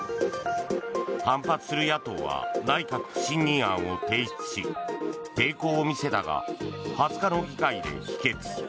反発する野党は内閣不信任案を提出し抵抗を見せたが２０日の議会で否決。